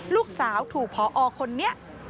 ลูกสาวถูกพอคนนี้